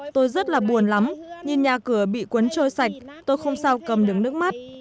tôi rất là buồn lắm nhìn nhà cửa bị cuốn trôi sạch tôi không sao cầm được nước mắt